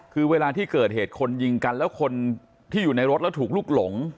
คือเวลาที่เกิดเหตุคนยิงกันแล้วคนที่อยู่ในรถแล้วถูกลุกหลง